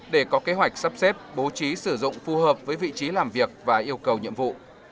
để có kế hoạch sắp xếp bố trí sử dụng phù hợp với vị trí làm việc và yêu cầu nhiệm vụ